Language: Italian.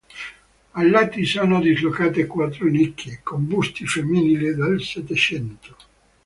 Ai lati sono dislocate quattro nicchie con busti femminili del settecento.